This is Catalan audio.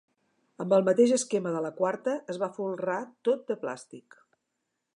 Amb el mateix esquema de la quarta, es va folrar tot de plàstic.